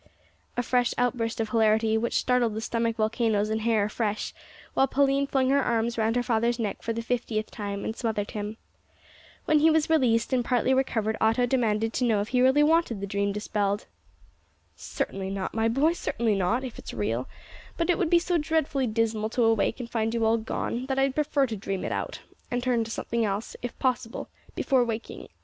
A fresh outburst of hilarity, which started the stomachic volcanoes and hair afresh, while Pauline flung her arms round her father's neck for the fiftieth time, and smothered him. When he was released, and partially recovered, Otto demanded to know if he really wanted the dream dispelled. "Certainly not, my boy, certainly not, if it's real; but it would be so dreadfully dismal to awake and find you all gone, that I'd prefer to dream it out, and turn to something else, if possible, before waking.